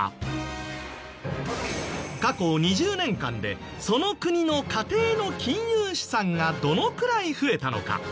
過去２０年間でその国の家庭の金融資産がどのくらい増えたのか？